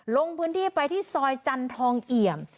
ลงพื้นที่ไปที่ซอยจันทองเอี่ยม